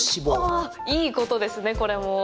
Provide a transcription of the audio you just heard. ああ、いいことですねこれも。